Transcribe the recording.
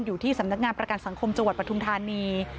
อยู่ที่สำนักงานประกันสังคมจังหวัดปทุมธานี